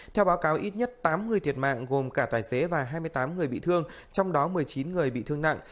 theo báo cáo ít nhất tám người thiệt mạng gồm cả tài xế và hai mươi tám người bị thương trong đó một mươi chín người bị thương nặng